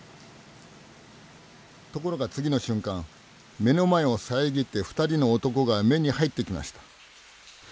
ところが次の瞬間目の前を遮って２人の男が目に入ってきました。